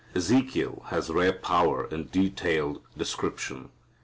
Ezekiel has rare power in detailed description.